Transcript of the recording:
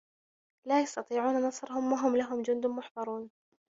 لا يَستَطيعونَ نَصرَهُم وَهُم لَهُم جُندٌ مُحضَرونَ